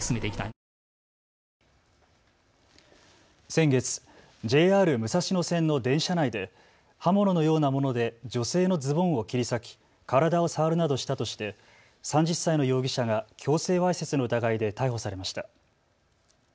先月、ＪＲ武蔵野線の電車内で刃物のようなもので女性のズボンを切り裂き、体を触るなどしたとして３０歳の容疑者が強制わいせつの疑いで逮捕されました。